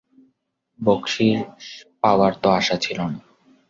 বকশিশ পাবার তো আশা ছিল না।